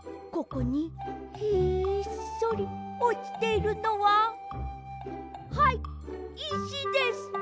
ここにひっそりおちているのははいいしです！